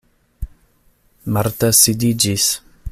Marta sidiĝis.